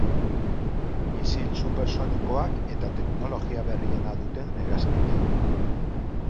Misil supersonikoak, eta teknologia berriena duten hegazkinak.